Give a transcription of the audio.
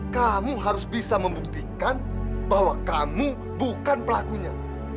kamu harus bisa membuktikan bahwa kamu bukan pelakunya